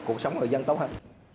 cuộc sống người dân tốt hơn